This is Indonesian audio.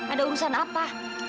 ada urusan apa